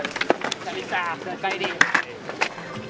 おかえり。